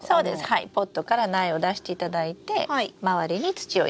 ポットから苗を出していただいて周りに土を入れればいいんです。